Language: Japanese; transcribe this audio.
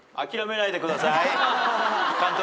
監督